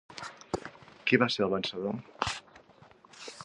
Qui va ser el vencedor?